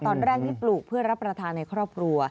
ตอนแรกนี่ปลูกเพื่อรับประทานในครอบครัว